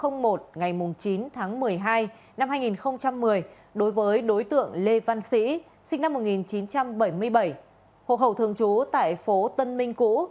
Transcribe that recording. ngày chín tháng một mươi hai năm hai nghìn một mươi đối với đối tượng lê văn sĩ sinh năm một nghìn chín trăm bảy mươi bảy hộ khẩu thường trú tại phố tân minh cũ